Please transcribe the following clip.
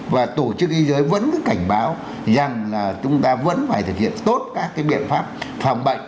và tổ chức y tế vẫn cứ cảnh báo rằng là chúng ta vẫn phải thực hiện tốt các biện pháp phòng bệnh